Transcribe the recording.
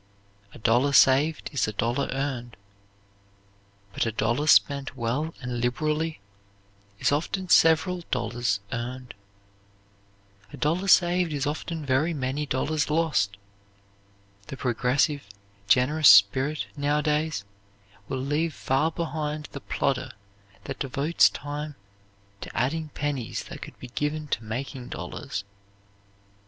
"A dollar saved is a dollar earned," but a dollar spent well and liberally is often several dollars earned. A dollar saved is often very many dollars lost. The progressive, generous spirit, nowadays, will leave far behind the plodder that devotes time to adding pennies that could be given to making dollars.